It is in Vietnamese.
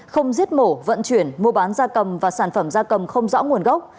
không giết mổ vận chuyển mua bán gia cầm và sản phẩm gia cầm không rõ nguồn gốc